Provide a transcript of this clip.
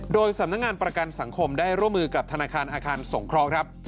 โดยสำนักงานประกันสังคมได้ร่วมมือกับธนาคารอาคารสงเคราะห์ครับ